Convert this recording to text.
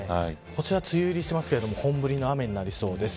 こちら、梅雨入りしてますが本降りの雨になりそうです。